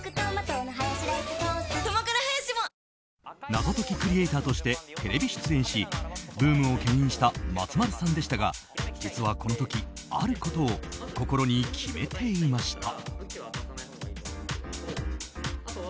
謎解きクリエーターとしてテレビ出演しブームを牽引した松丸さんでしたが実は、この時あることを心に決めていました。